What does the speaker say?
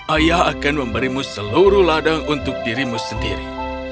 ayah akan memberimu seluruh ladang untuk dirimu sendiri